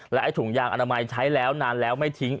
และให้ถุงยากอนามิใช้นานไม่ทิ้ง